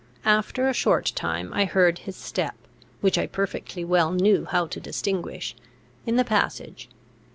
After a short time I heard his step, which I perfectly well knew how to distinguish, in the passage.